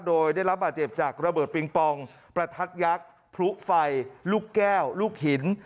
โดยได้รับบาดเจ็บจากระเบิดปิงปองประทัดยักษ์พลุไฟลูกแก้วลูกหิน